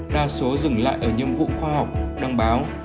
đa số dừng lại ở nhiệm vụ khoa học đăng báo